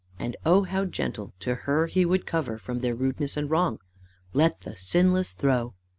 and oh how gentle to her he would cover from their rudeness and wrong! LET THE SINLESS THROW!